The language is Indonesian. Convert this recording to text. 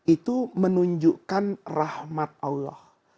itu menunjukkan rahmat allah